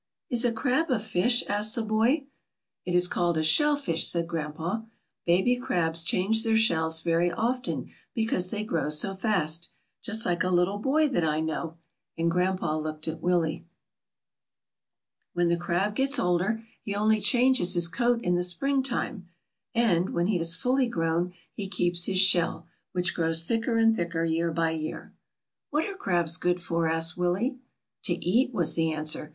"Is a crab a fish?" asked the boy. "It is called a shell fish," said grandpa. "Baby crabs change their shells very often because they grow so fast. Just like a little boy that I know," and grandpa looked at Wniie. 178 WILLIE'S VISIT TO THE SEASHORE. ^ When the crab gets older, he only changes his coat in the springtime, and, when he is fully grown, he keeps his shell, which grows thicker and thicker year by year." ^ What are crabs good for?" asked Willie. ^^To eat," was the answer.